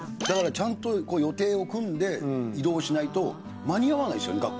だからちゃんと予定を組んで移動しないと間に合わないですよね